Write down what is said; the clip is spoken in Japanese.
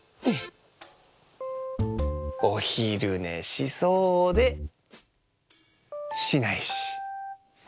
おひるねしそうでしないし。